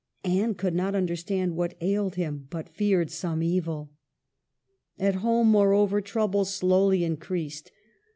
Anne could not understand what ailed him, but feared some evil. At home, moreover, troubles slowly increased.